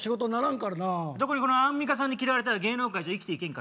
特にこのアンミカさんに嫌われたら芸能界じゃ生きていけんからな。